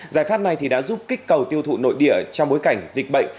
giải pháp này đã giúp kích cầu tiêu thụ nội địa trong bối cảnh dịch bệnh